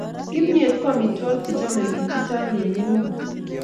Kimyet ko amitwokik chechomei bik chechang eng emoni